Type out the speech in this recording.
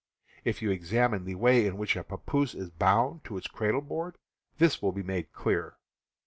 If you examine the way in which a papoose is bound to its cradle board, this will be made clear.